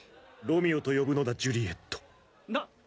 ロミオと呼ぶのだジュリエットな